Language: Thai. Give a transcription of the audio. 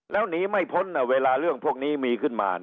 แล้วหนีไม่พ้นเวลาเรื่องพวกนี้มีขึ้นมา